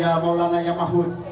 ya maulana ya mahmud